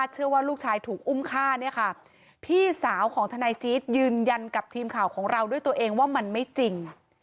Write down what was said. เชื่อว่าลูกชายถูกอุ้มฆ่าเนี่ยค่ะพี่สาวของทนายจี๊ดยืนยันกับทีมข่าวของเราด้วยตัวเองว่ามันไม่จริง